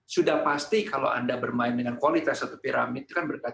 sudah pasti kalau anda bermain dengan kualitas atau piramid